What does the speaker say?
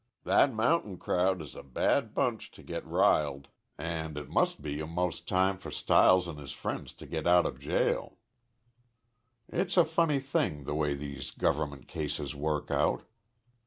That mountain crowd is a bad bunch to get r'iled, and it must be 'most time for Stiles and his friends to get out of jail. "It's a funny thing the way these government cases work out.